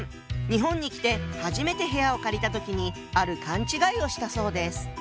日本に来て初めて部屋を借りた時にある勘違いをしたそうです。